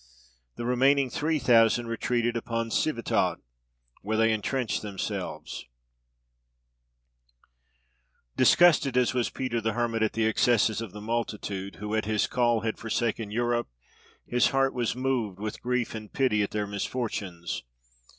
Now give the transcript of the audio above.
The remaining three thousand retreated upon Civitot, where they entrenched themselves. [Illustration: ISNIK.] Disgusted as was Peter the Hermit at the excesses of the multitude, who, at his call, had forsaken Europe, his heart was moved with grief and pity at their misfortunes.